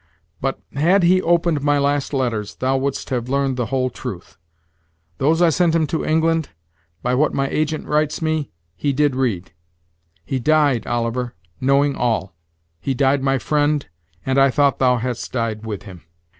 But, had he opened my last letters, thou wouldst have learned the whole truth. Those I sent him to England, by what my agent writes me, he did read. He died, Oliver, knowing all, he died my friend, and I thought thou hadst died with him."